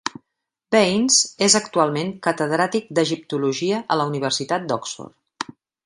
Baines és actualment Catedràtic d'Egiptologia a la Universitat d'Oxford.